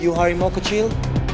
kau harimau kecil